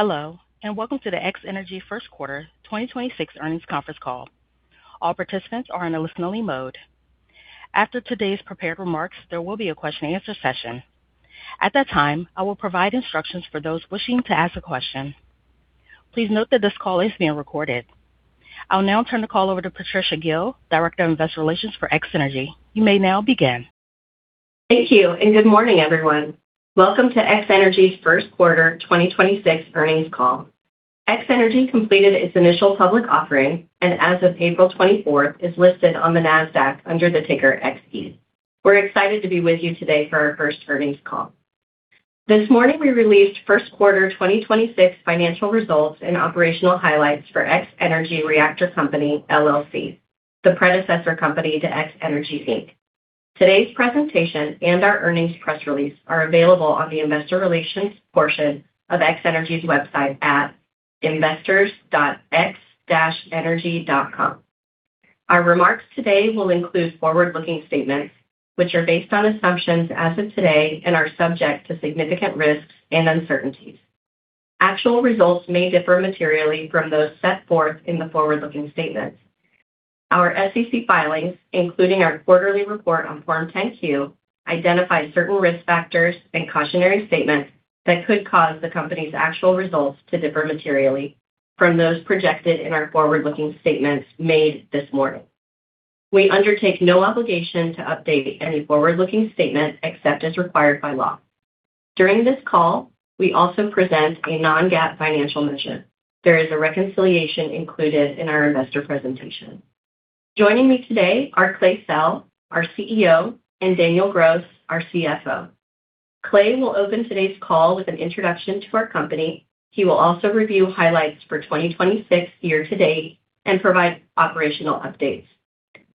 Hello, welcome to the X-energy first quarter 2026 earnings conference call. All participants are in a listening mode. After today's prepared remarks, there will be a question and answer session. At that time, I will provide instructions for those wishing to ask a question. Please note that this call is being recorded. I'll now turn the call over to Patricia Gil, Director of Investor Relations for X-energy. You may now begin. Thank you, and good morning, everyone. Welcome to X-energy's first quarter 2026 earnings call. X-energy completed its initial public offering, and as of April 24th, is listed on the NASDAQ under the ticker XE. We're excited to be with you today for our first earnings call. This morning, we released first quarter 2026 financial results and operational highlights for X-Energy Reactor Company, LLC, the predecessor company to X-energy Inc. Today's presentation and our earnings press release are available on the investor relations portion of X-energy's website at investors.x-energy.com. Our remarks today will include forward-looking statements, which are based on assumptions as of today and are subject to significant risks and uncertainties. Actual results may differ materially from those set forth in the forward-looking statements. Our SEC filings, including our quarterly report on Form 10-Q, identify certain risk factors and cautionary statements that could cause the company's actual results to differ materially from those projected in our forward-looking statements made this morning. We undertake no obligation to update any forward-looking statement except as required by law. During this call, we also present a non-GAAP financial measure. There is a reconciliation included in our investor presentation. Joining me today are Clay Sell, our CEO, and Daniel Gross, our CFO. Clay will open today's call with an introduction to our company. He will also review highlights for 2026 year-to-date and provide operational updates.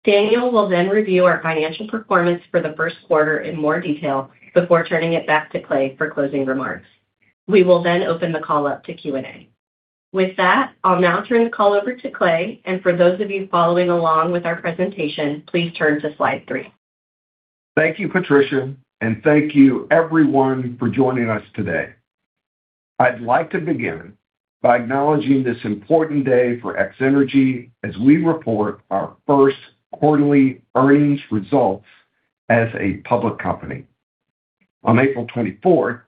Daniel will then review our financial performance for the first quarter in more detail before turning it back to Clay for closing remarks. We will then open the call up to Q&A. With that, I'll now turn the call over to Clay, and for those of you following along with our presentation, please turn to slide three. Thank you, Patricia, and thank you everyone for joining us today. I'd like to begin by acknowledging this important day for X-energy as we report our first quarterly earnings results as a public company. On April 24th,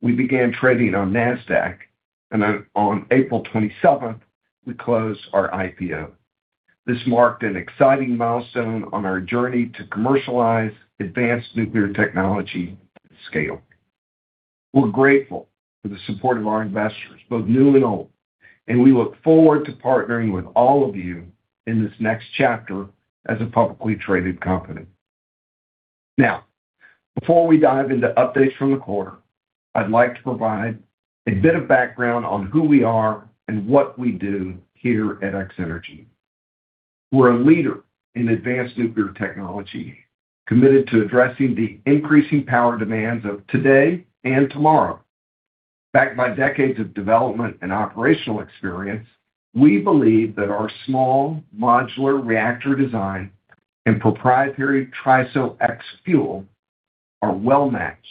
we began trading on NASDAQ, and on April 27th, we closed our IPO. This marked an exciting milestone on our journey to commercialize advanced nuclear technology at scale. We're grateful for the support of our investors, both new and old, and we look forward to partnering with all of you in this next chapter as a publicly traded company. Now, before we dive into updates from the quarter, I'd like to provide a bit of background on who we are and what we do here at X-energy. We're a leader in advanced nuclear technology, committed to addressing the increasing power demands of today and tomorrow. Backed by decades of development and operational experience, we believe that our small modular reactor design and proprietary TRISO-X fuel are well-matched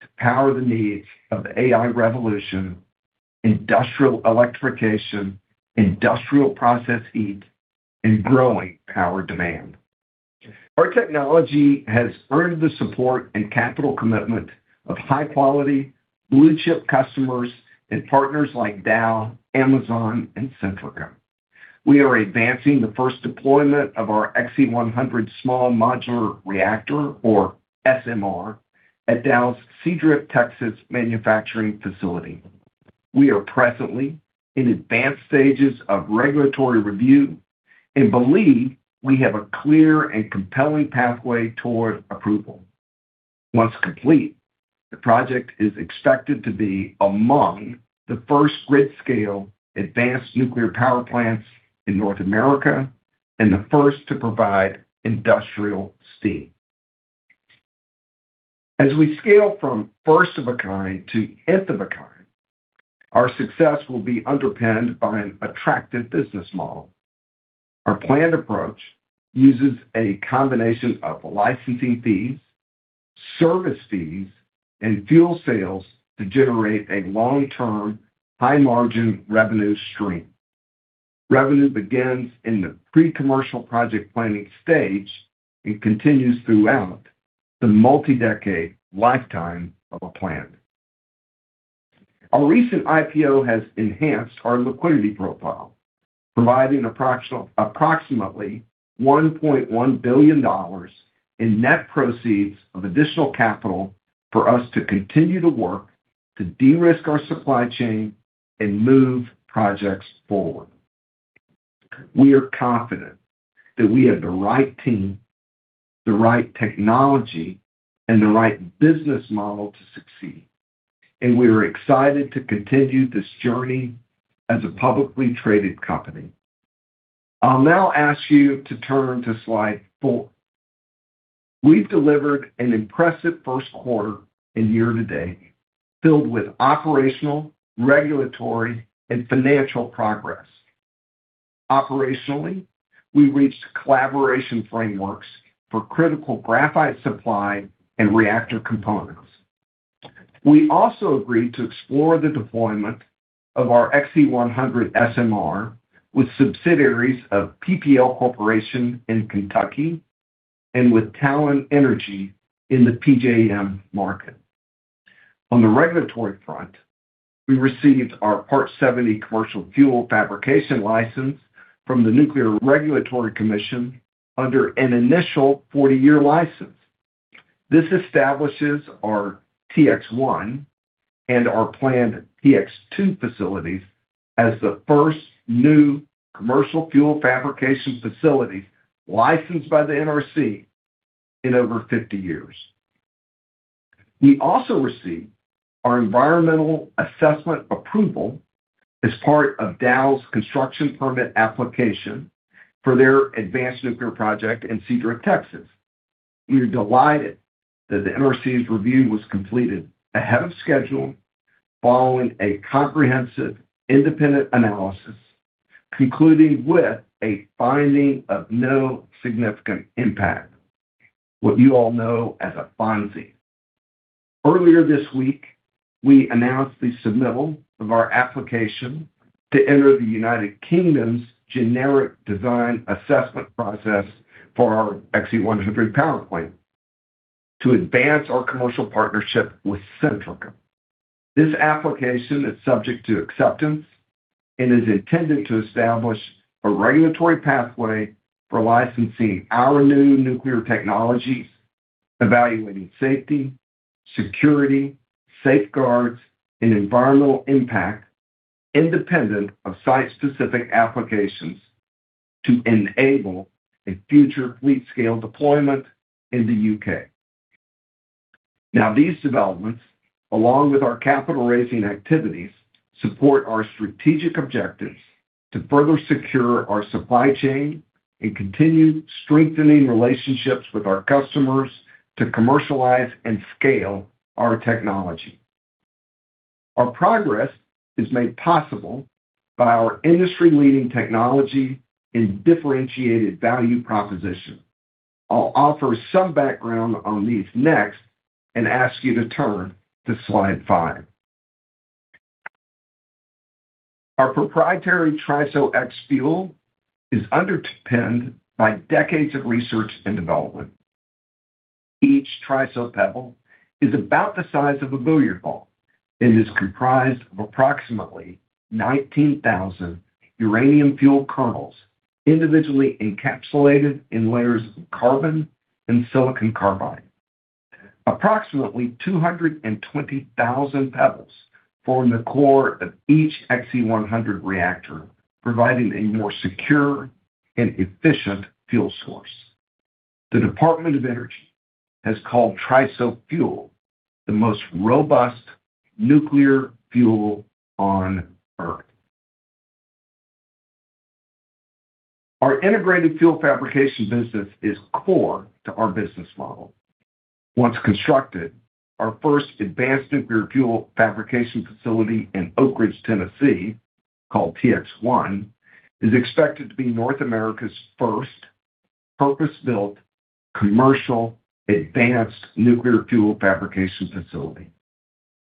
to power the needs of AI revolution, industrial electrification, industrial process heat, and growing power demand. Our technology has earned the support and capital commitment of high-quality, blue-chip customers and partners like Dow, Amazon, and Centrica. We are advancing the first deployment of our Xe-100 small modular reactor, or SMR, at Dow's Seadrift, Texas, manufacturing facility. We are presently in advanced stages of regulatory review and believe we have a clear and compelling pathway toward approval. Once complete, the project is expected to be among the first grid-scale advanced nuclear power plants in North America and the first to provide industrial steam. As we scale from first of a kind to Nth of a kind, our success will be underpinned by an attractive business model. Our planned approach uses a combination of licensing fees, service fees, and fuel sales to generate a long-term, high-margin revenue stream. Revenue begins in the pre-commercial project planning stage and continues throughout the multi-decade lifetime of a plant. Our recent IPO has enhanced our liquidity profile, providing approximately $1.1 billion in net proceeds of additional capital for us to continue to work to de-risk our supply chain and move projects forward. We are confident that we have the right team, the right technology, and the right business model to succeed, and we are excited to continue this journey as a publicly traded company. I'll now ask you to turn to slide four. We've delivered an impressive first quarter and year-to-date filled with operational, regulatory, and financial progress. Operationally, we reached collaboration frameworks for critical graphite supply and reactor components. We also agreed to explore the deployment of our Xe-100 SMR with subsidiaries of PPL Corporation in Kentucky and with Talen Energy in the PJM market. On the regulatory front, we received our Part 70 commercial fuel fabrication license from the Nuclear Regulatory Commission under an initial 40-year license. This establishes our TX-1 and our planned TX-2 facilities as the first new commercial fuel fabrication facilities licensed by the NRC in over 50 years. We also received our environmental assessment approval as part of Dow construction permit application for their advanced nuclear project in Seadrift, Texas. We are delighted that the NRC's review was completed ahead of schedule following a comprehensive independent analysis, concluding with a finding of no significant impact. What you all know as a FONSI. Earlier this week, we announced the submittal of our application to enter the United Kingdom's Generic Design Assessment process for our Xe-100 power plant to advance our commercial partnership with Centrica. This application is subject to acceptance and is intended to establish a regulatory pathway for licensing our new nuclear technologies, evaluating safety, security, safeguards, and environmental impact, independent of site-specific applications to enable a future fleet scale deployment in the U.K. These developments, along with our capital-raising activities, support our strategic objectives to further secure our supply chain and continue strengthening relationships with our customers to commercialize and scale our technology. Our progress is made possible by our industry-leading technology and differentiated value proposition. I'll offer some background on these next and ask you to turn to slide five. Our proprietary TRISO-X fuel is underpinned by decades of research and development. Each TRISO pebble is about the size of a billiard ball and is comprised of approximately 19,000 uranium fuel kernels, individually encapsulated in layers of carbon and silicon carbide. Approximately 220,000 pebbles form the core of each Xe-100 reactor, providing a more secure and efficient fuel source. The Department of Energy has called TRISO fuel the most robust nuclear fuel on Earth. Our integrated fuel fabrication business is core to our business model. Once constructed, our first advanced nuclear fuel fabrication facility in Oak Ridge, Tennessee, called TX-1, is expected to be North America's first purpose-built commercial advanced nuclear fuel fabrication facility.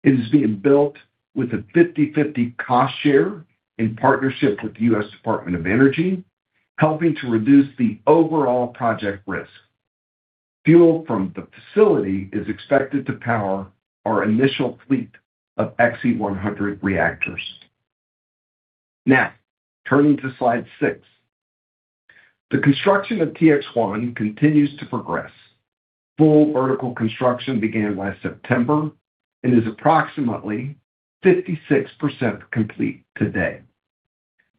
It is being built with a 50/50 cost share in partnership with the U.S. Department of Energy, helping to reduce the overall project risk. Fuel from the facility is expected to power our initial fleet of Xe-100 reactors. Now, turning to slide six. The construction of TX-1 continues to progress. Full vertical construction began last September and is approximately 56% complete today.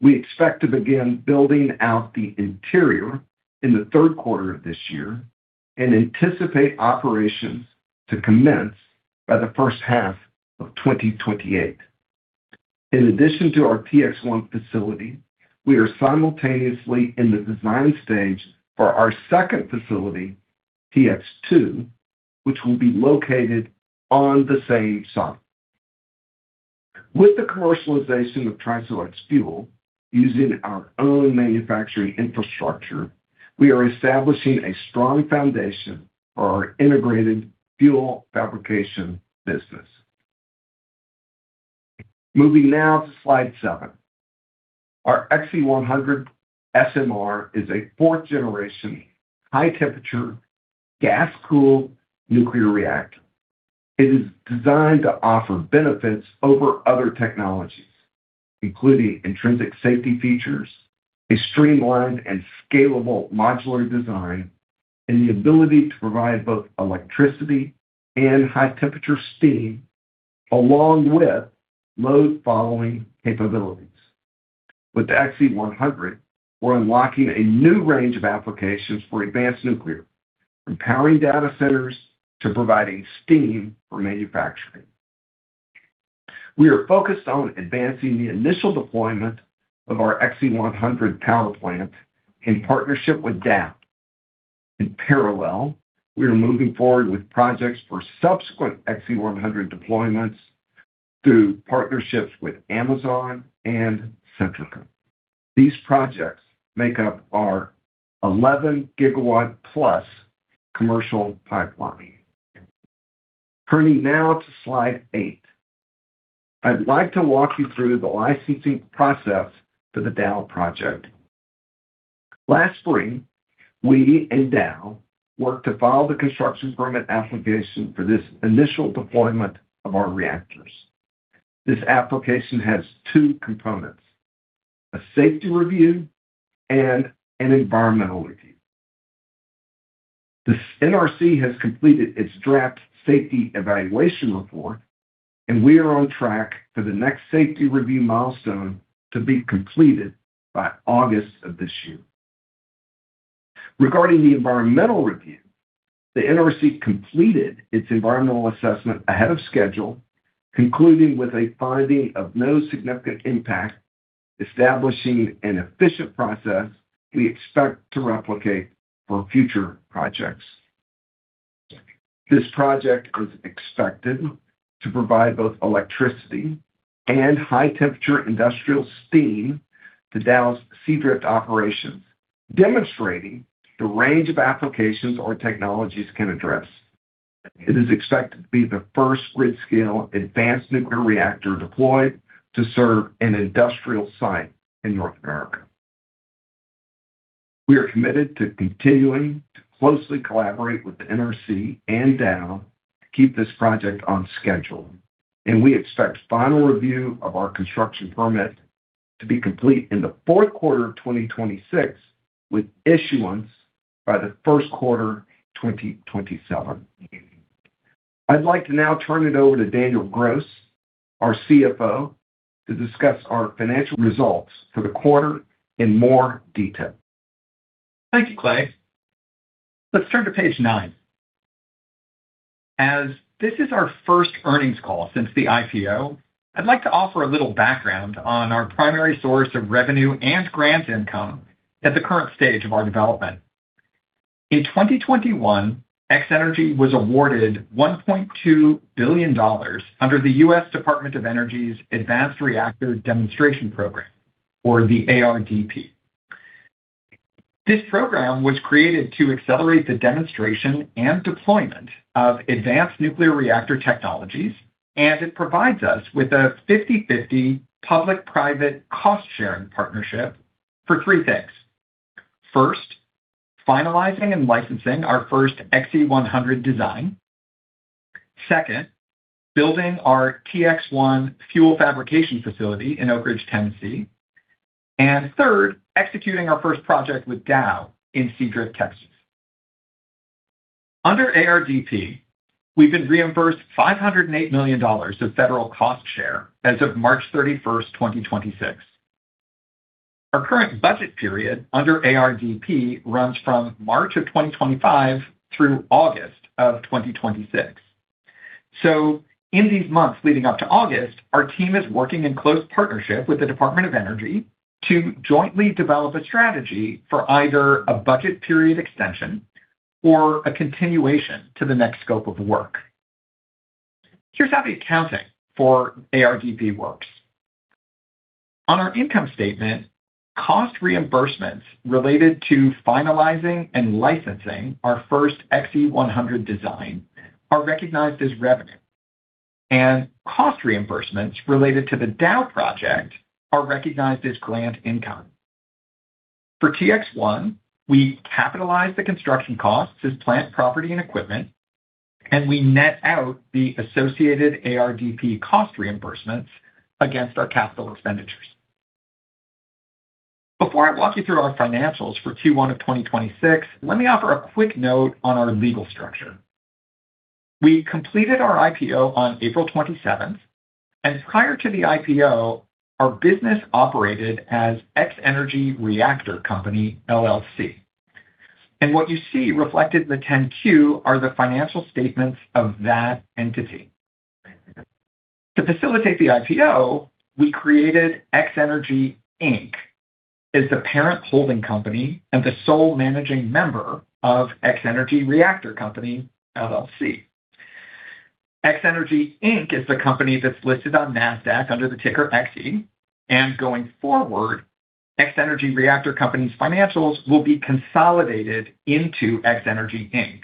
We expect to begin building out the interior in the third quarter of this year and anticipate operations to commence by the first half of 2028. In addition to our TX-1 facility, we are simultaneously in the design stage for our second facility, TX-2, which will be located on the same site. With the commercialization of TRISO-X fuel using our own manufacturing infrastructure, we are establishing a strong foundation for our integrated fuel fabrication business. Moving now to slide seven. Our Xe-100 SMR is a fourth-generation high-temperature gas-cooled nuclear reactor. It is designed to offer benefits over other technologies, including intrinsic safety features, a streamlined and scalable modular design, and the ability to provide both electricity and high-temperature steam, along with load-following capabilities. With the Xe-100, we're unlocking a new range of applications for advanced nuclear, from powering data centers to providing steam for manufacturing. We are focused on advancing the initial deployment of our Xe-100 power plant in partnership with Dow. In parallel, we are moving forward with projects for subsequent Xe-100 deployments through partnerships with Amazon and Centrica. These projects make up our 11 GW plus commercial pipeline. Turning now to slide eight. I'd like to walk you through the licensing process for the Dow project. Last spring, we and Dow worked to file the construction permit application for this initial deployment of our reactors. This application has two components, a safety review and an environmental review. The NRC has completed its draft safety evaluation report, and we are on track for the next safety review milestone to be completed by August of this year. Regarding the environmental review, the NRC completed its environmental assessment ahead of schedule, concluding with a finding of no significant impact, establishing an efficient process we expect to replicate for future projects. This project is expected to provide both electricity and high-temperature industrial steam to Dow's Seadrift operations, demonstrating the range of applications our technologies can address. It is expected to be the first grid-scale advanced nuclear reactor deployed to serve an industrial site in North America. We are committed to continuing to closely collaborate with the NRC and Dow to keep this project on schedule. We expect final review of our construction permit to be complete in the fourth quarter of 2026, with issuance by the first quarter 2027. I'd like to now turn it over to Daniel Gross, our CFO, to discuss our financial results for the quarter in more detail. Thank you, Clay. Let's turn to page nine. As this is our first earnings call since the IPO, I'd like to offer a little background on our primary source of revenue and grant income at the current stage of our development. In 2021, X-energy was awarded $1.2 billion under the U.S. Department of Energy's Advanced Reactor Demonstration Program, or the ARDP. This program was created to accelerate the demonstration and deployment of advanced nuclear reactor technologies, and it provides us with a 50/50 public-private cost-sharing partnership for three things. First, finalizing and licensing our first Xe-100 design. Second, building our TX-1 fuel fabrication facility in Oak Ridge, Tennessee. Third, executing our first project with Dow in Seadrift, Texas. Under ARDP, we've been reimbursed $508 million of federal cost share as of March 31, 2026. Our current budget period under ARDP runs from March of 2025 through August of 2026. In these months leading up to August, our team is working in close partnership with the Department of Energy to jointly develop a strategy for either a budget period extension or a continuation to the next scope of work. Here's how the accounting for ARDP works. On our income statement, cost reimbursements related to finalizing and licensing our first Xe-100 design are recognized as revenue, and cost reimbursements related to the Dow project are recognized as grant income. For TX-1, we capitalize the construction costs as plant property and equipment, and we net out the associated ARDP cost reimbursements against our capital expenditures. Before I walk you through our financials for Q1 of 2026, let me offer a quick note on our legal structure. We completed our IPO on April 27th. Prior to the IPO, our business operated as X-Energy Reactor Company, LLC. What you see reflected in the 10-Q are the financial statements of that entity. To facilitate the IPO, we created X-energy, Inc. as the parent holding company and the sole managing member of X-Energy Reactor Company, LLC. X-energy, Inc. is the company that's listed on NASDAQ under the ticker XE. Going forward, X-Energy Reactor Company's financials will be consolidated into X-energy, Inc.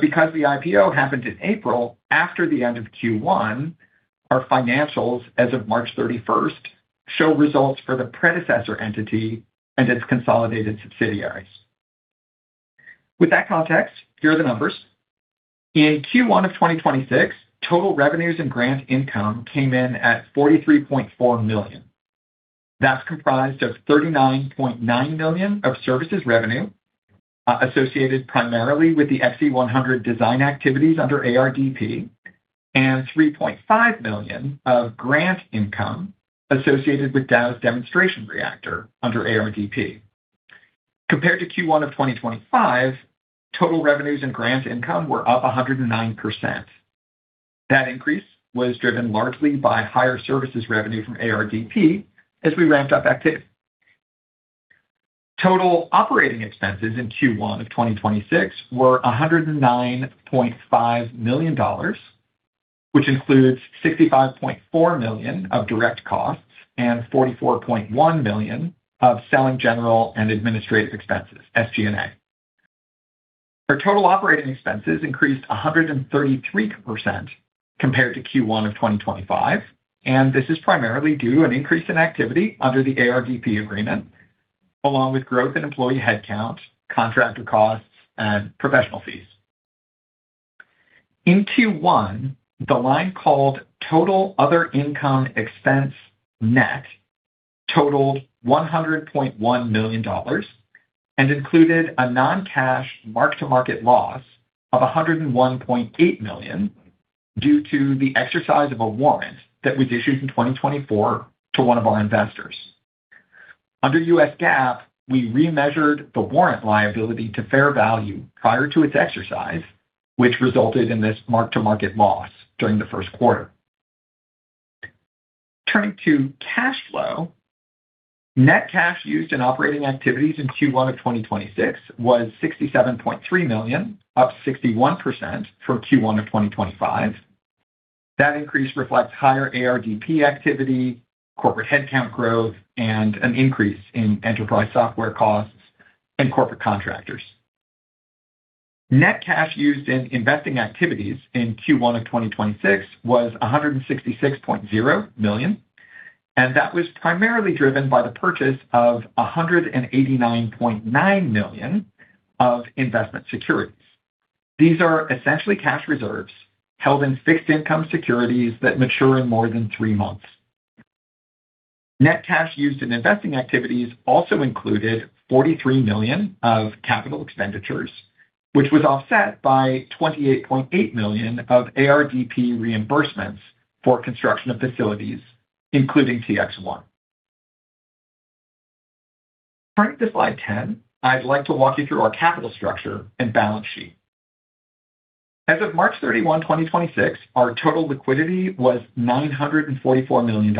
Because the IPO happened in April after the end of Q1, our financials as of March 31st show results for the predecessor entity and its consolidated subsidiaries. With that context, here are the numbers. In Q1 of 2026, total revenues and grant income came in at $43.4 million. That's comprised of $39.9 million of services revenue associated primarily with the Xe-100 design activities under ARDP, and $3.5 million of grant income associated with Dow's demonstration reactor under ARDP. Compared to Q1 of 2025, total revenues and grant income were up 109%. That increase was driven largely by higher services revenue from ARDP as we ramped up activity. Total operating expenses in Q1 of 2026 were $109.5 million, which includes $65.4 million of direct costs and $44.1 million of selling general and administrative expenses, SG&A. Our total operating expenses increased 133% compared to Q1 of 2025. This is primarily due to an increase in activity under the ARDP agreement, along with growth in employee headcount, contractor costs, and professional fees. In Q1, the line called total other income expense net totaled $100.1 million and included a non-cash mark-to-market loss of $100.8 million due to the exercise of a warrant that was issued in 2024 to one of our investors. Under US GAAP, we remeasured the warrant liability to fair value prior to its exercise, which resulted in this mark-to-market loss during the first quarter. Turning to cash flow, net cash used in operating activities in Q1 of 2026 was $67.3 million, up 61% from Q1 of 2025. That increase reflects higher ARDP activity, corporate headcount growth, and an increase in enterprise software costs and corporate contractors. Net cash used in investing activities in Q1 of 2026 was $166.0 million. That was primarily driven by the purchase of $189.9 million of investment securities. These are essentially cash reserves held in fixed income securities that mature in more than three months. Net cash used in investing activities also included $43 million of capital expenditures, which was offset by $28.8 million of ARDP reimbursements for construction of facilities, including TX-1. Turning to slide 10, I'd like to walk you through our capital structure and balance sheet. As of March 31, 2026, our total liquidity was $944 million.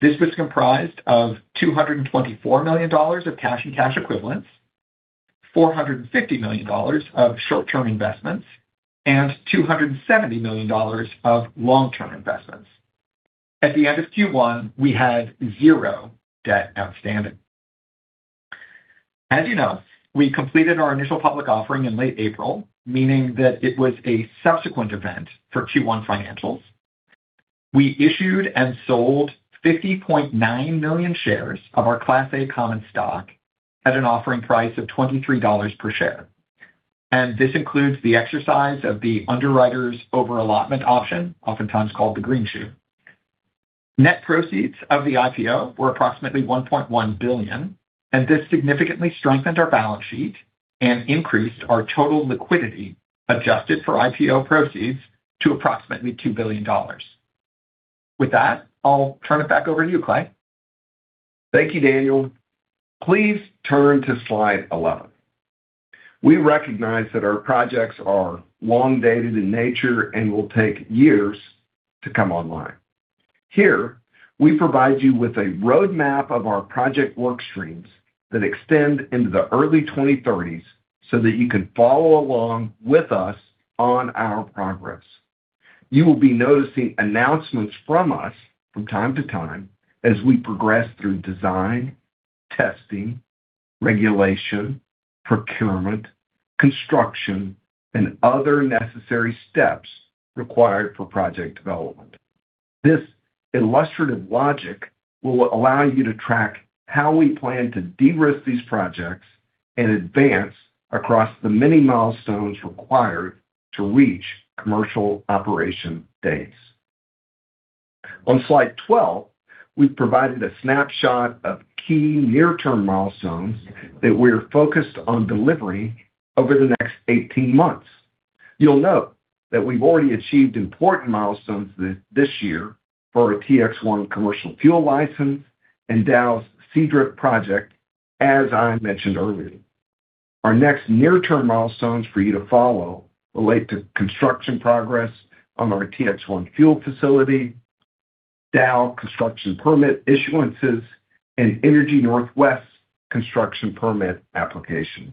This was comprised of $224 million of cash and cash equivalents, $450 million of short-term investments, and $270 million of long-term investments. At the end of Q1, we had zero debt outstanding. As you know, we completed our initial public offering in late April, meaning that it was a subsequent event for Q1 financials. We issued and sold 50.9 million shares of our Class A common stock at an offering price of $23 per share. This includes the exercise of the underwriter's over-allotment option, oftentimes called the greenshoe. Net proceeds of the IPO were approximately $1.1 billion, and this significantly strengthened our balance sheet and increased our total liquidity, adjusted for IPO proceeds, to approximately $2 billion. With that, I'll turn it back over to you, Clay. Thank you, Daniel. Please turn to slide 11. We recognize that our projects are long-dated in nature and will take years to come online. Here, we provide you with a roadmap of our project work streams that extend into the early 2030s, so that you can follow along with us on our progress. You will be noticing announcements from us from time to time as we progress through design, testing, regulation, procurement, construction, and other necessary steps required for project development. This illustrative logic will allow you to track how we plan to de-risk these projects and advance across the many milestones required to reach commercial operation dates. On slide 12, we've provided a snapshot of key near-term milestones that we're focused on delivering over the next 18 months. You'll note that we've already achieved important milestones this year for our TX-1 commercial fuel license and ARDP's CDRP project, as I mentioned earlier. Our next near-term milestones for you to follow relate to construction progress on our TX-1 fuel facility, Dow construction permit issuances, and Energy Northwest's construction permit application.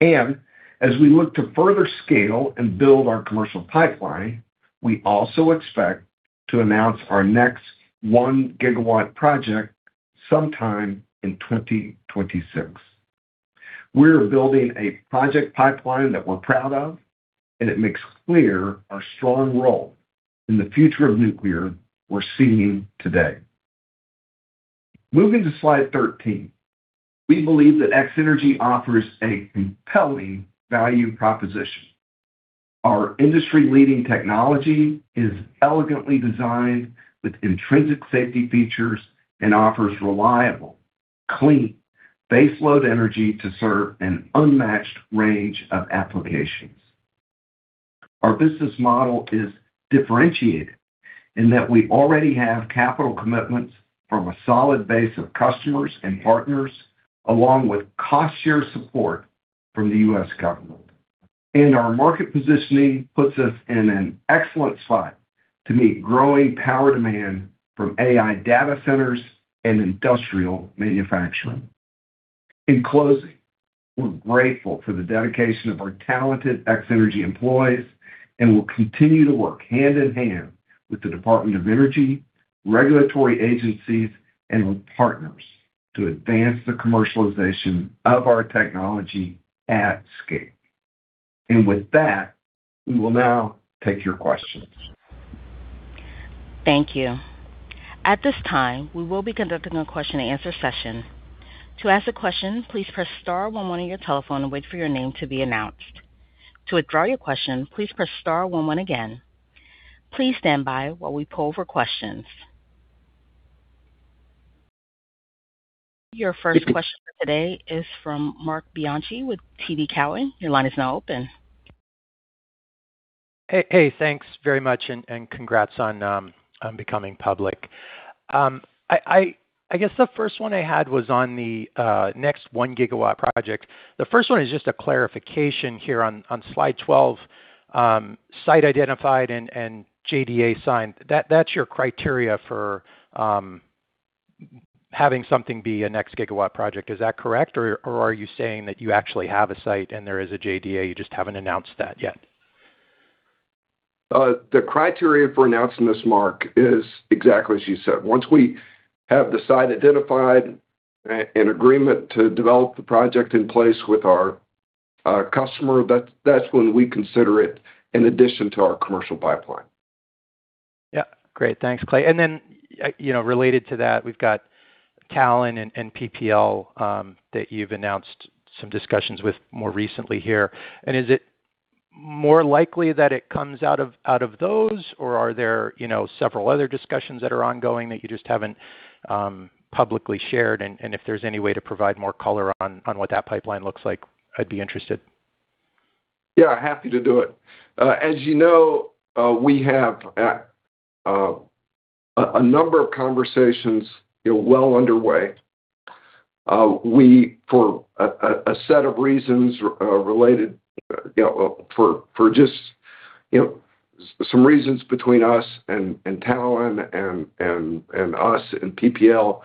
As we look to further scale and build our commercial pipeline, we also expect to announce our next 1 GW project sometime in 2026. We're building a project pipeline that we're proud of, and it makes clear our strong role in the future of nuclear we're seeing today. Moving to slide 13. We believe that X-energy offers a compelling value proposition. Our industry-leading technology is elegantly designed with intrinsic safety features and offers reliable, clean baseload energy to serve an unmatched range of applications. Our business model is differentiated. We already have capital commitments from a solid base of customers and partners, along with cost share support from the U.S. government. Our market positioning puts us in an excellent spot to meet growing power demand from AI data centers and industrial manufacturing. In closing, we're grateful for the dedication of our talented X-energy employees. We'll continue to work hand in hand with the Department of Energy, regulatory agencies, and with partners to advance the commercialization of our technology at scale. With that, we will now take your questions. Thank you. At this time, we will be conducting a question and answer session. To ask a question, please press star one one on your telephone and wait for your name to be announced. To withdraw your question, please press star one one again. Please stand by while we poll for questions. Your first question today is from Marc Bianchi with TD Cowen. Your line is now open. Hey, thanks very much and congrats on becoming public. I guess the first one I had was on the next 1 GW project. The first one is just a clarification here on slide 12, site identified and JDA signed. That's your criteria for having something be a next gigawatt project. Is that correct? Are you saying that you actually have a site and there is a JDA, you just haven't announced that yet? The criteria for announcing this, Marc, is exactly as you said. Once we have the site identified and agreement to develop the project in place with our customer, that's when we consider it an addition to our commercial pipeline. Yeah. Great. Thanks, Clay. Related to that, we've got Talen and PPL that you've announced some discussions with more recently here. Is it more likely that it comes out of those, or are there several other discussions that are ongoing that you just haven't publicly shared? If there's any way to provide more color on what that pipeline looks like, I'd be interested. Yeah, happy to do it. As you know, we have a number of conversations well underway. We, for just some reasons between us and Talen Energy and us and PPL Corporation,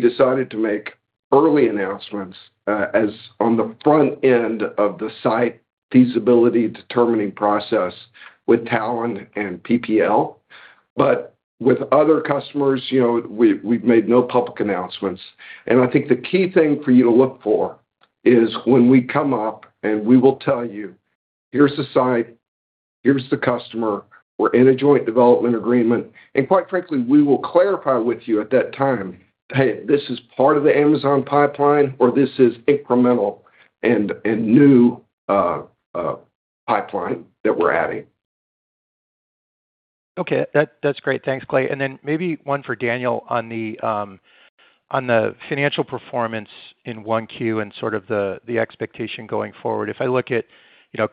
decided to make early announcements as on the front end of the site feasibility determining process with Talen Energy and PPL Corporation. With other customers, we've made no public announcements. I think the key thing for you to look for is when we come up and we will tell you, "Here's the site, here's the customer. We're in a joint development agreement." Quite frankly, we will clarify with you at that time, "Hey, this is part of the Amazon pipeline," or, "This is incremental and new pipeline that we're adding. Okay. That's great. Thanks, Clay. Maybe one for Daniel on the financial performance in 1Q and sort of the expectation going forward. If I look at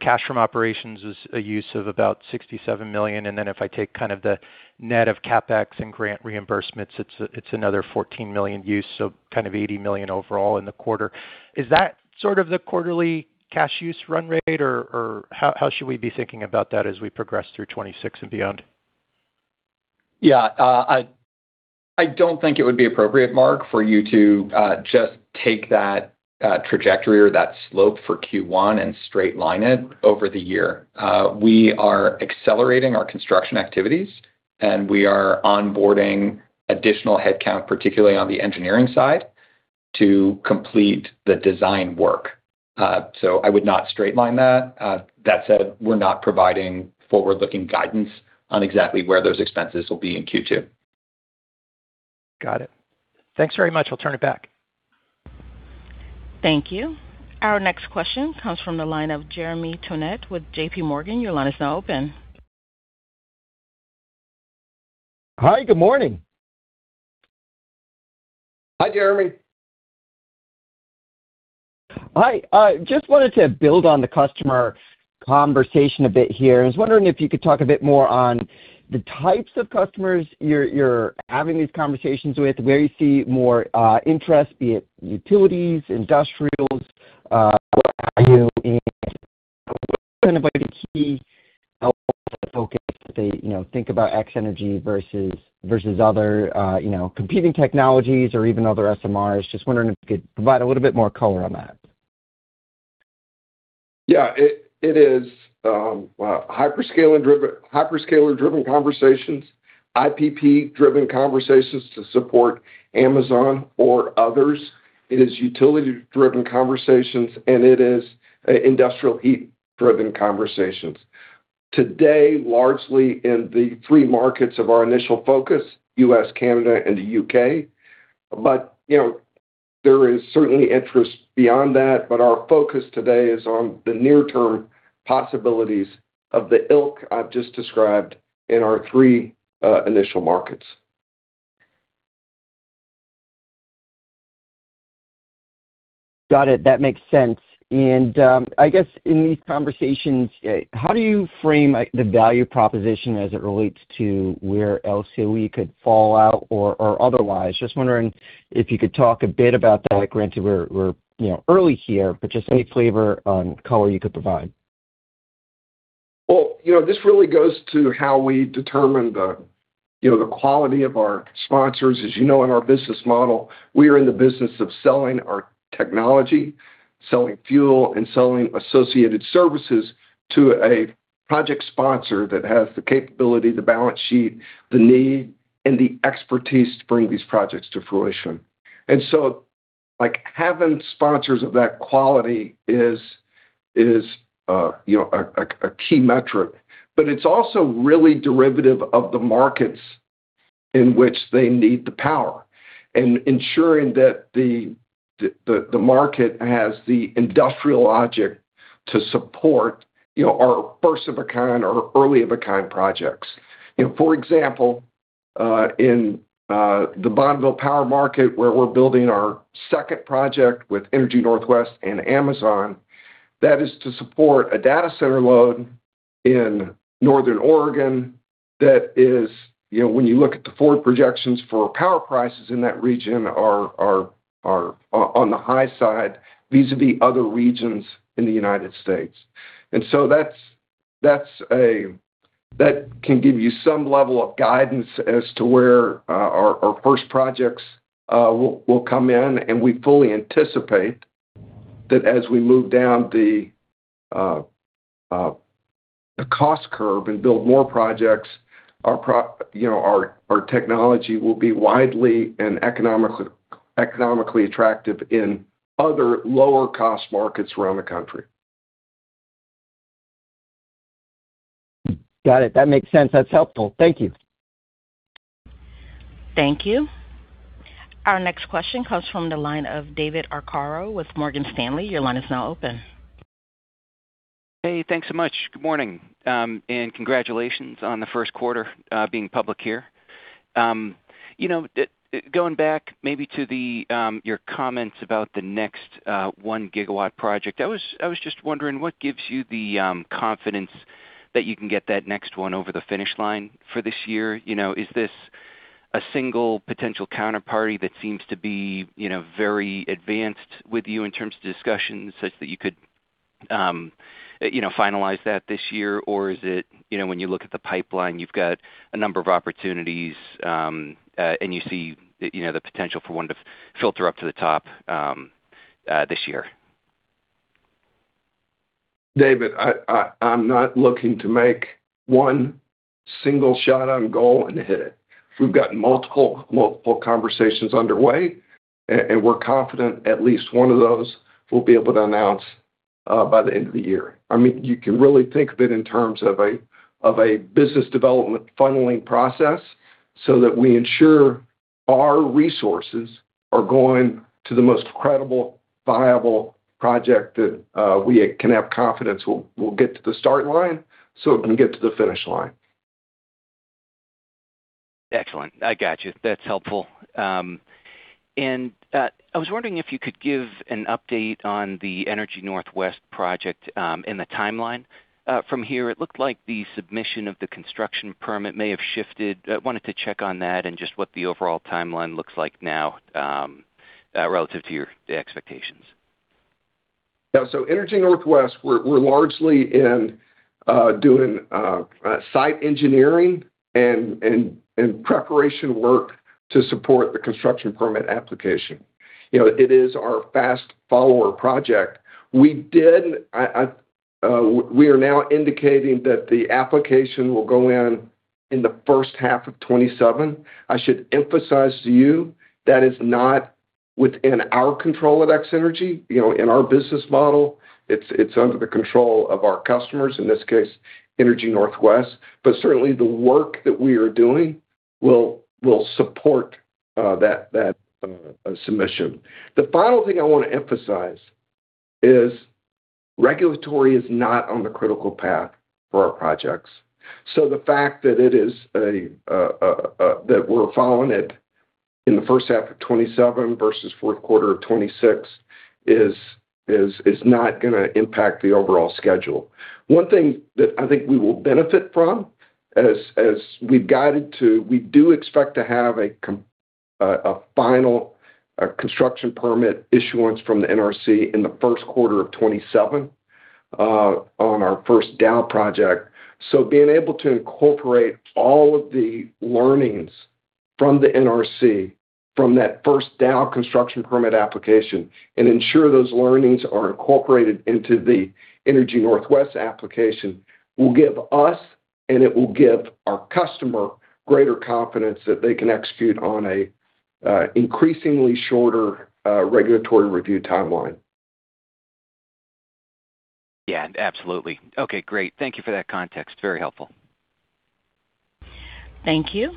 cash from operations is a use of about $67 million, if I take kind of the net of CapEx and grant reimbursements, it's another $14 million use, so kind of $80 million overall in the quarter. Is that sort of the quarterly cash use run rate, or how should we be thinking about that as we progress through 2026 and beyond? Yeah. I don't think it would be appropriate, Marc, for you to just take that trajectory or that slope for Q1 and straight line it over the year. We are accelerating our construction activities, and we are onboarding additional headcount, particularly on the engineering side, to complete the design work. I would not straight line that. That said, we're not providing forward-looking guidance on exactly where those expenses will be in Q2. Got it. Thanks very much. I'll turn it back. Thank you. Our next question comes from the line of Jeremy Tonet with JPMorgan. Your line is now open. Hi. Good morning. Hi, Jeremy. Hi. Just wanted to build on the customer conversation a bit here. I was wondering if you could talk a bit more on the types of customers you're having these conversations with, where you see more interest, be it utilities, industrials, what have you, and what kind of are the key elements that focus that they think about X-energy versus other competing technologies or even other SMRs. Just wondering if you could provide a little bit more color on that. It is hyperscaler-driven conversations, IPP-driven conversations to support Amazon or others. It is utility-driven conversations, it is industrial heat-driven conversations. Today, largely in the three markets of our initial focus, U.S., Canada, and the U.K. There is certainly interest beyond that, but our focus today is on the near-term possibilities of the ilk I've just described in our three initial markets. Got it. That makes sense. I guess in these conversations, how do you frame the value proposition as it relates to where LCOE could fall out or otherwise? Just wondering if you could talk a bit about that. Granted, we're early here, but just any flavor on color you could provide. Well, this really goes to how we determine the quality of our sponsors. As you know, in our business model, we are in the business of selling our technology, selling fuel, and selling associated services to a project sponsor that has the capability, the balance sheet, the need, and the expertise to bring these projects to fruition. Having sponsors of that quality is a key metric. It's also really derivative of the markets in which they need the power and ensuring that the market has the industrial logic to support our first-of-a-kind or early-of-a-kind projects. For example, in the Bonneville Power market, where we're building our second project with Energy Northwest and Amazon. That is to support a data center load in northern Oregon that is, when you look at the forward projections for power prices in that region are on the high side vis-a-vis other regions in the United States. That can give you some level of guidance as to where our first projects will come in, and we fully anticipate that as we move down the cost curve and build more projects, our technology will be widely and economically attractive in other lower-cost markets around the country. Got it. That makes sense. That's helpful. Thank you. Thank you. Our next question comes from the line of David Arcaro with Morgan Stanley. Your line is now open. Hey, thanks so much. Good morning. Congratulations on the first quarter being public here. Going back maybe to your comments about the next 1 GW project. I was just wondering what gives you the confidence that you can get that next one over the finish line for this year? Is this a single potential counterparty that seems to be very advanced with you in terms of discussions such that you could finalize that this year? Is it, when you look at the pipeline, you've got a number of opportunities, and you see the potential for one to filter up to the top this year? David, I'm not looking to make one single shot on goal and hit it. We've got multiple conversations underway, and we're confident at least one of those we'll be able to announce by the end of the year. You can really think of it in terms of a business development funneling process so that we ensure our resources are going to the most credible, viable project that we can have confidence will get to the start line so it can get to the finish line. Excellent. I got you. That's helpful. I was wondering if you could give an update on the Energy Northwest project and the timeline. From here, it looked like the submission of the construction permit may have shifted. I wanted to check on that and just what the overall timeline looks like now relative to your expectations. Yeah. Energy Northwest, we're largely in doing site engineering and preparation work to support the construction permit application. It is our fast follower project. We are now indicating that the application will go in in the first half of 2027. I should emphasize to you, that is not within our control at X-energy. In our business model, it's under the control of our customers, in this case, Energy Northwest. Certainly, the work that we are doing will support that submission. The final thing I want to emphasize is regulatory is not on the critical path for our projects. The fact that we're following it in the first half of 2027 versus fourth quarter of 2026 is not going to impact the overall schedule. One thing that I think we will benefit from, as we've guided to, we do expect to have a final construction permit issuance from the NRC in the first quarter of 2027 on our first Dow project. Being able to incorporate all of the learnings from the NRC from that first Dow construction permit application and ensure those learnings are incorporated into the Energy Northwest application will give us, and it will give our customer greater confidence that they can execute on an increasingly shorter regulatory review timeline. Yeah, absolutely. Okay, great. Thank you for that context. Very helpful. Thank you.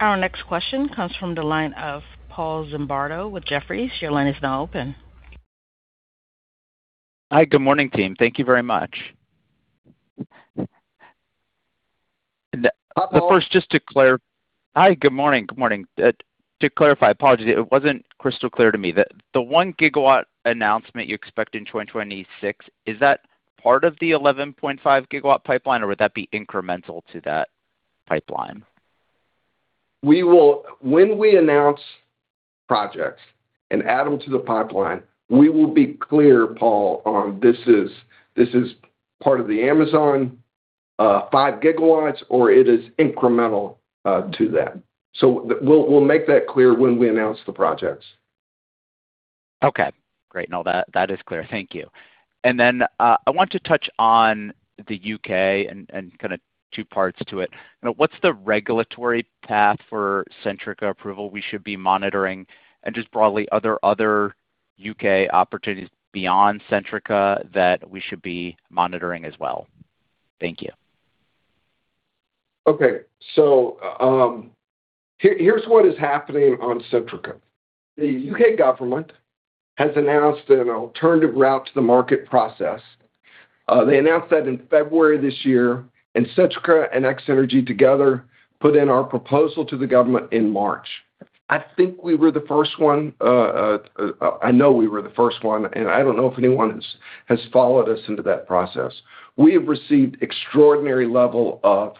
Our next question comes from the line of Paul Zimbardo with Jefferies. Your line is now open. Hi. Good morning, team. Thank you very much. First, just to clarify. Hi, good morning. To clarify, apologies, it wasn't crystal clear to me. The one gigawatt announcement you expect in 2026, is that part of the 11.5 GW pipeline, or would that be incremental to that pipeline? When we announce projects and add them to the pipeline, we will be clear, Paul, on, this is part of the Amazon 5 GW, or it is incremental to that. We'll make that clear when we announce the projects. Okay, great. No, that is clear. Thank you. I want to touch on the U.K. and kind of two parts to it. What's the regulatory path for Centrica approval we should be monitoring, and just broadly, are there other U.K. opportunities beyond Centrica that we should be monitoring as well? Thank you. Okay. Here's what is happening on Centrica. The U.K. government has announced an alternative route to the market process. They announced that in February this year. Centrica and X-energy together put in our proposal to the government in March. I think we were the first one. I know we were the first one, and I don't know if anyone has followed us into that process. We have received extraordinary level of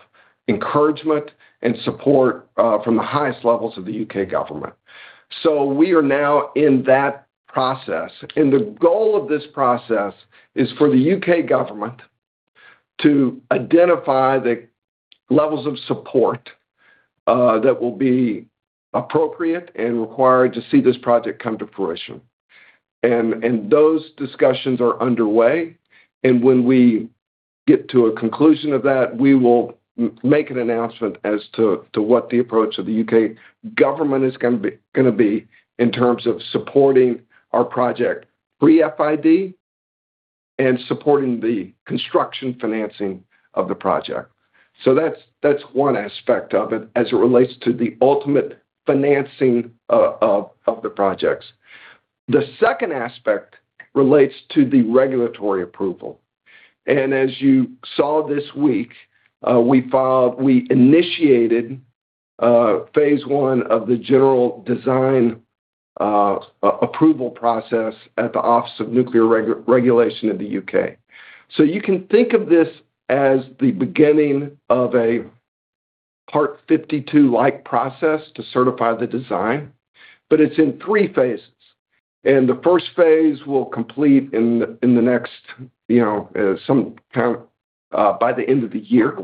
encouragement and support from the highest levels of the U.K. government. We are now in that process, and the goal of this process is for the U.K. government to identify the levels of support that will be appropriate and required to see this project come to fruition. Those discussions are underway, and when we get to a conclusion of that, we will make an announcement as to what the approach of the U.K. government is going to be in terms of supporting our project pre-FID and supporting the construction financing of the project. That's one aspect of it as it relates to the ultimate financing of the projects. The second aspect relates to the regulatory approval. As you saw this week, we initiated phase one of the General Design Approval process at the Office for Nuclear Regulation in the U.K. You can think of this as the beginning of a Part 52-like process to certify the design. It's in three phases, and the first phase will complete by the end of the year.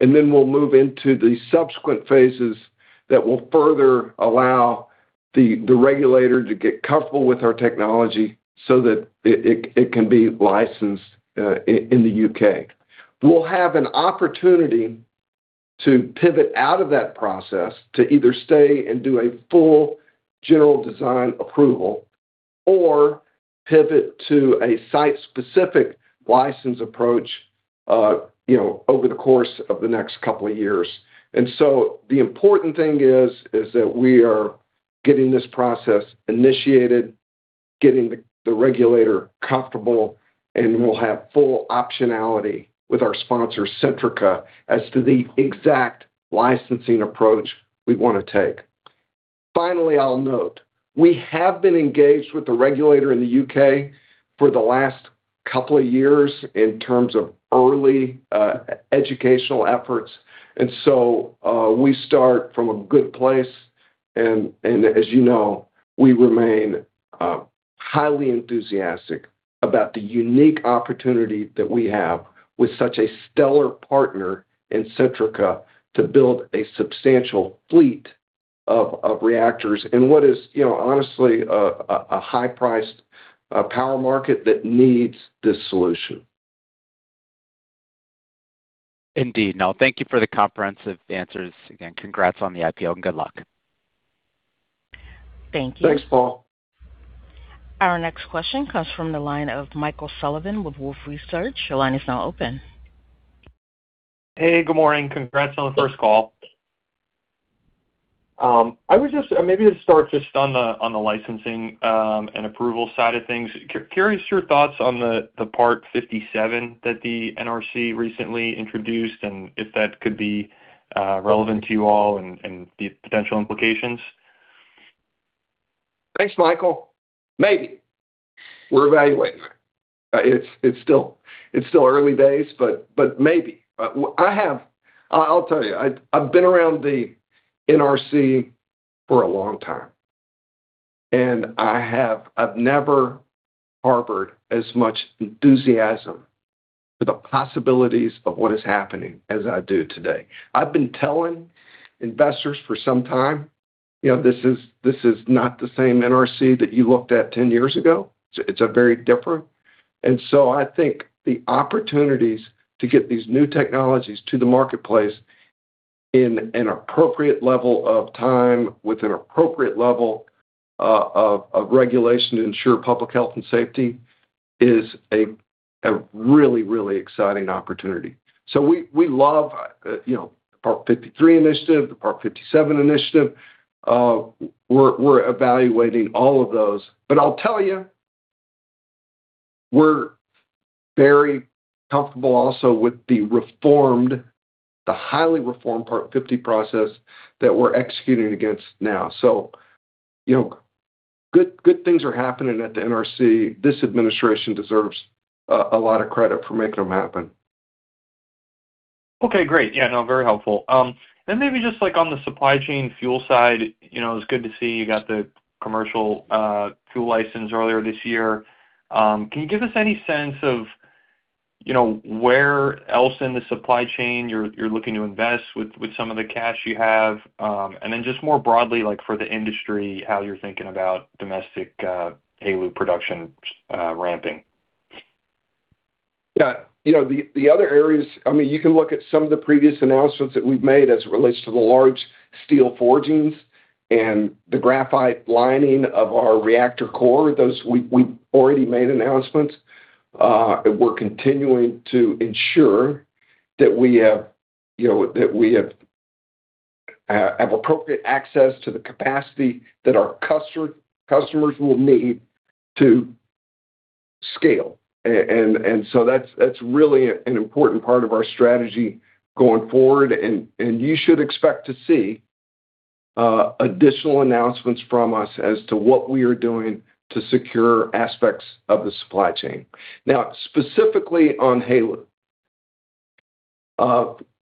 Then we'll move into the subsequent phases that will further allow the regulator to get comfortable with our technology so that it can be licensed in the U.K. We'll have an opportunity to pivot out of that process to either stay and do a full General Design Approval or pivot to a site-specific license approach over the course of the next couple of years. So the important thing is that we are getting this process initiated, getting the regulator comfortable, and we'll have full optionality with our sponsor, Centrica, as to the exact licensing approach we want to take. Finally, I'll note, we have been engaged with the regulator in the U.K. for the last couple of years in terms of early educational efforts. We start from a good place, and as you know, we remain highly enthusiastic about the unique opportunity that we have with such a stellar partner in Centrica to build a substantial fleet of reactors in what is honestly a high-priced power market that needs this solution. Indeed. No, thank you for the comprehensive answers. Congrats on the IPO, and good luck. Thank you. Thanks, Paul. Our next question comes from the line of Michael Sullivan with Wolfe Research. Your line is now open. Hey, good morning. Congrats on the first call. Maybe let's start just on the licensing and approval side of things. Curious your thoughts on the Part 57 that the NRC recently introduced and if that could be relevant to you all and the potential implications. Thanks, Michael. Maybe. We're evaluating that. It's still early days, but maybe. I'll tell you, I've been around the NRC for a long time, and I've never harbored as much enthusiasm for the possibilities of what is happening as I do today. I've been telling investors for some time, this is not the same NRC that you looked at 10 years ago. It's very different. I think the opportunities to get these new technologies to the marketplace in an appropriate level of time with an appropriate level of regulation to ensure public health and safety is a really, really exciting opportunity. We love the Part 53 initiative, the Part 57 initiative. We're evaluating all of those. I'll tell you, we're very comfortable also with the highly reformed Part 50 process that we're executing against now. Good things are happening at the NRC. This administration deserves a lot of credit for making them happen. Okay, great. Yeah, no, very helpful. Maybe just on the supply chain fuel side, it was good to see you got the commercial fuel license earlier this year. Can you give us any sense of where else in the supply chain you're looking to invest with some of the cash you have? Then just more broadly, for the industry, how you're thinking about domestic HALEU production ramping. Yeah. You can look at some of the previous announcements that we've made as it relates to the large steel forgings and the graphite lining of our reactor core. Those, we've already made announcements. We're continuing to ensure that we have appropriate access to the capacity that our customers will need to scale. That's really an important part of our strategy going forward, and you should expect to see additional announcements from us as to what we are doing to secure aspects of the supply chain. Now, specifically on HALEU,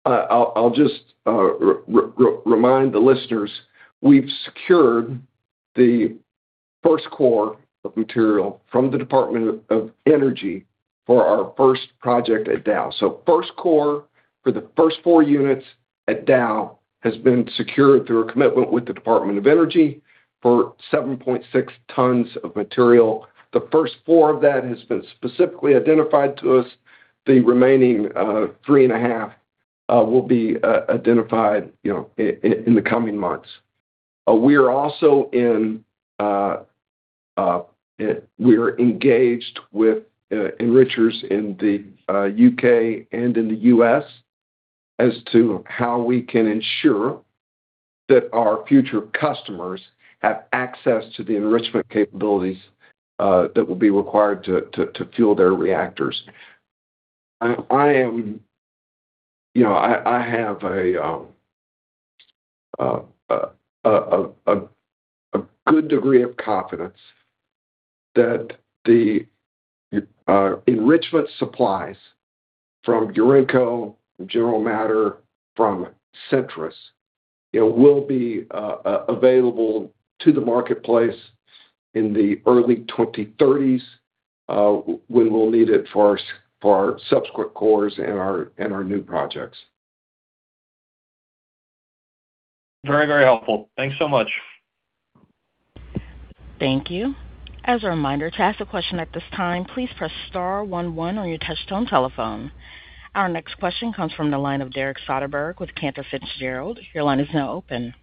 I'll just remind the listeners, we've secured the first core of material from the Department of Energy for our first project at Dow. First core for the first four units at Dow has been secured through a commitment with the Department of Energy for 7.6 tons of material. The first four of that has been specifically identified to us. The remaining three and a half will be identified in the coming months. We're engaged with enrichers in the U.K. and in the U.S. as to how we can ensure that our future customers have access to the enrichment capabilities that will be required to fuel their reactors. I have a good degree of confidence that the enrichment supplies from Urenco, from General Matter, from Centrus, will be available to the marketplace in the early 2030s, when we'll need it for our subsequent cores and our new projects. Very helpful. Thanks so much. Thank you. As a reminder, to ask a question at this time, please press star one one on your touchtone telephone. Our next question comes from the line of Derek Soderberg with Cantor Fitzgerald. Your line is now open.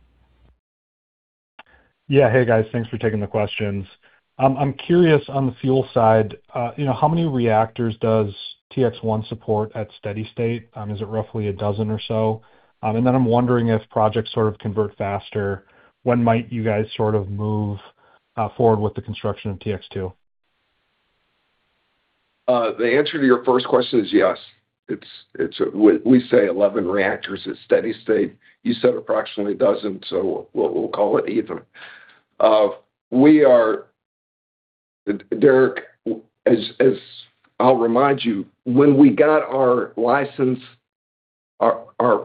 Yeah. Hey, guys. Thanks for taking the questions. I'm curious on the fuel side. How many reactors does TX-1 support at steady state? Is it roughly a dozen or so? I'm wondering if projects sort of convert faster, when might you guys sort of move forward with the construction of TX-2? The answer to your first question is yes. We say 11 reactors at steady state. You said approximately a dozen, so we'll call it even. Derek, as I'll remind you, when we got our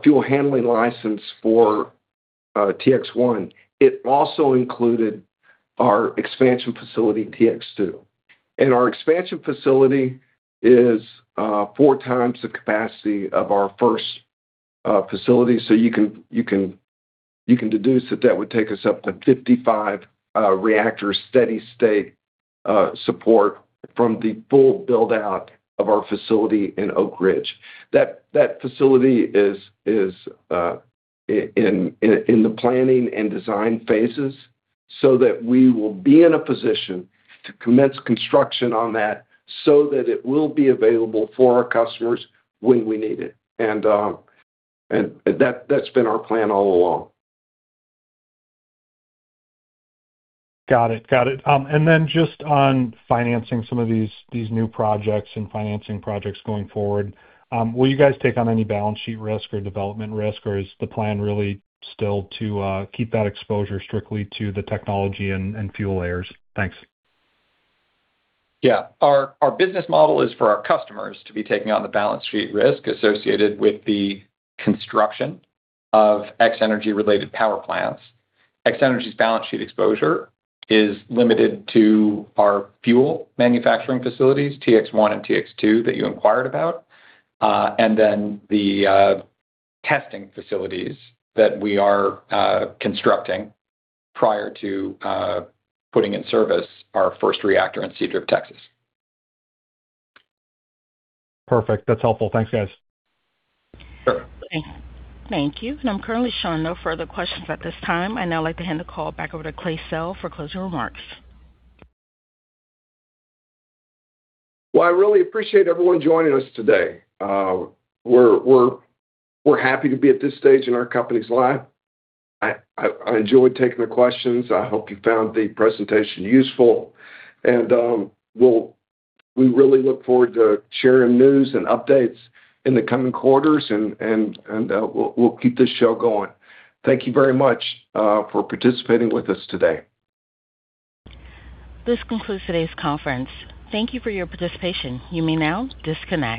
fuel handling license for TX-1, it also included our expansion facility, TX-2. Our expansion facility is four times the capacity of our first facility, so you can deduce that that would take us up to 55 reactor steady-state support from the full build-out of our facility in Oak Ridge. That facility is in the planning and design phases so that we will be in a position to commence construction on that so that it will be available for our customers when we need it. That's been our plan all along. Got it. Then just on financing some of these new projects and financing projects going forward, will you guys take on any balance sheet risk or development risk, or is the plan really still to keep that exposure strictly to the technology and fuel layers? Thanks. Yeah. Our business model is for our customers to be taking on the balance sheet risk associated with the construction of X-energy-related power plants. X-energy's balance sheet exposure is limited to our fuel manufacturing facilities, TX-1 and TX-2, that you inquired about, and then the testing facilities that we are constructing prior to putting in service our first reactor in Seadrift, Texas. Perfect. That's helpful. Thanks, guys. Sure. Thank you. I'm currently showing no further questions at this time. I'd now like to hand the call back over to Clay Sell for closing remarks. Well, I really appreciate everyone joining us today. We're happy to be at this stage in our company's life. I enjoyed taking the questions. I hope you found the presentation useful. We really look forward to sharing news and updates in the coming quarters, and we'll keep this show going. Thank you very much for participating with us today. This concludes today's conference. Thank you for your participation. You may now disconnect.